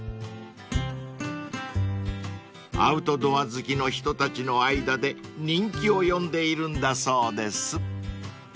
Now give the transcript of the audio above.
［アウトドア好きの人たちの間で人気を呼んでいるんだそうです］